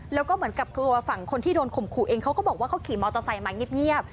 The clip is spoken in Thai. แล้วก็เหมือนกับตัวฝั่งคนที่โดนข่มขู่เองเขาก็บอกว่าเขาขี่มอเตอร์ไซค์มาเงียบ